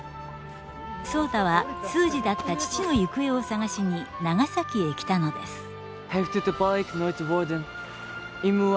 壮多は通詞だった父の行方を探しに長崎へ来たのです。